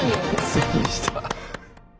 すっきりした。